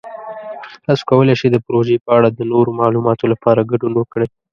تاسو کولی شئ د پروژې په اړه د نورو معلوماتو لپاره ګډون وکړئ.